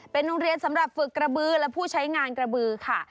เป็นโรงเรียนสำหรับฝึกกระบือและผู้ใช้งานกระบือค่ะ